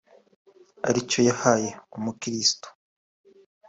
ari cyo yahaye umukiristo